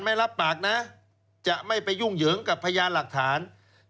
ไม่รับปากนะจะไม่ไปยุ่งเหยิงกับพยานหลักฐาน